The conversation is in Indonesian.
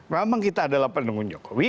memang kita adalah pendukung jokowi